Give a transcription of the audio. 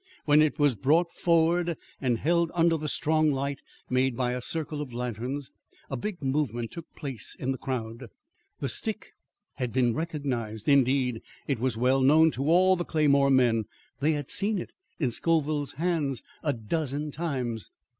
When it was brought forward and held under the strong light made by a circle of lanterns, a big movement took place in the crowd. The stick had been recognised. Indeed, it was well known to all the Claymore men. They had seen it in Scoville's hands a dozen times.